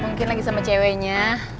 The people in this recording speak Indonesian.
mungkin lagi sama ceweknya